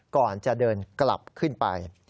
ก่อนจะเดินกลับขึ้นไป